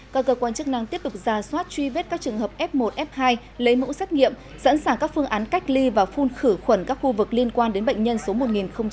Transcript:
cơ cơ quan chức năng tiếp tục giả soát truy vết các trường hợp f một f hai lấy mũ xác nghiệm sẵn sàng các phương án cách ly và phun khử khuẩn các khu vực liên quan đến bệnh nhân số một nghìn bốn mươi năm